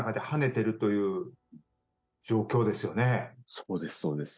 そうですそうです。